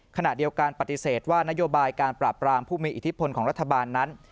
ขณะเดียวกันปฏิเสธว่านโยบายการปราบรามผู้มีอิทธิพลของรัฐบาลนั้น